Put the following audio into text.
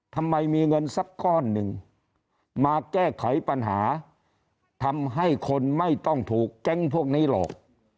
ทำไมมีเงินสักก้อนหนึ่งมาแก้ไขปัญหาทำให้คนไม่ต้องถูกแก๊งพวกนี้หลอก